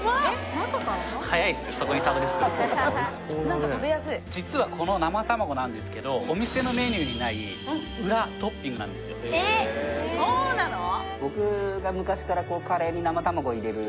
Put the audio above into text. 何か食べやすい実はこの生卵なんですけどお店のメニューにない裏トッピングなんですよえっそうなの？